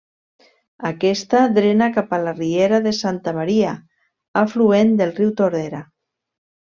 Aquesta drena cap a la riera de Santa Maria, afluent del riu Tordera.